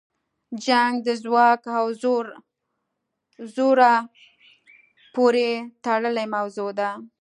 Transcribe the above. جنګ د ځواک او زوره پورې تړلې موضوع ده.